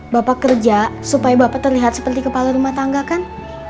bapak kerja supaya bapak terlihat seperti kepala rumah tangga kan